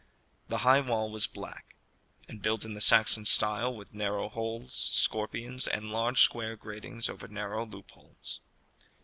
The high wall was black, and built in the Saxon style with narrow holes, scorpions, and large square gratings over narrow loopholes.